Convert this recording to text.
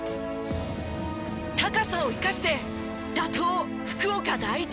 高さを生かして打倒福岡第一へ。